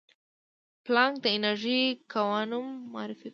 پلانک د انرژي کوانوم معرفي کړ.